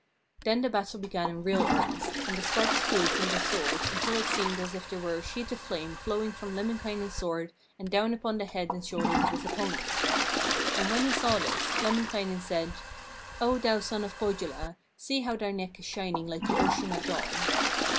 Then the battle began in real earnest, and the sparks flew from their swords until it seemed as if there were a sheet of flame flowing from Lemminkainen's sword and down upon the head and shoulders of his opponent. And when he saw this, Lemminkainen said: 'O thou son of Pohjola, see how thy neck is shining like the ocean at dawn.'